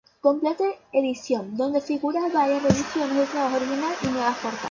Complete Edition", donde figuran varias revisiones del trabajo original y nuevas portadas.